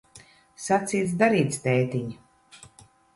Sacīts, darīts, tētiņ.